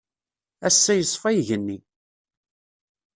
Ass-a yesfa Igenni.